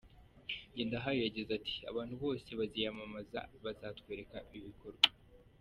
Ngendahayo yagize ati "Abantu bose baziyamamaza bazatwereka ibikorwa.